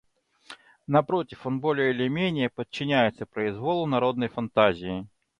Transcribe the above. Напротив, он более или менее подчиняется произволу народной фантазии.